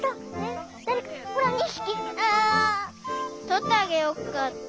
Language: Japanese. とってあげよっか？